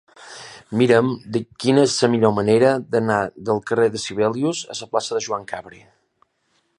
Mira'm quina és la millor manera d'anar del carrer de Sibelius a la plaça de Joan Capri.